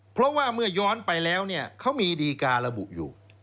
เพราะว่าเมื่อย้อนไปแล้วเนี่ยเขามีดีการระบุอยู่